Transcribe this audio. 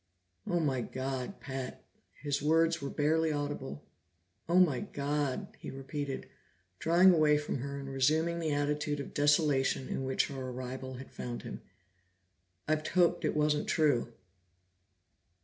"Oh my God, Pat!" His words were barely audible. "Oh my God!" he repeated, drawing away from her and resuming the attitude of desolation in which her arrival had found him. "I've hoped it wasn't true!"